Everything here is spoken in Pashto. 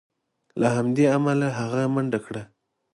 له همدې امله هغه منډه کړه.